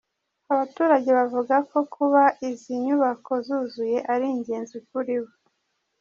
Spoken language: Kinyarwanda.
Abaturage bavuga ko kuba izi nyubako zuzuye ari ingenzi kuri bo.